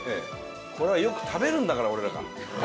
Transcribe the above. これはよく食べるんだから俺らが。